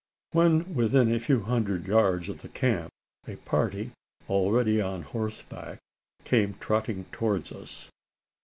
When within a few hundred yards of the camp, a party, already on horseback, came trotting towards us.